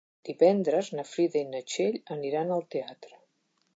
Divendres na Frida i na Txell aniran al teatre.